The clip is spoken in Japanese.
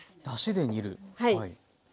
だしで煮るはい。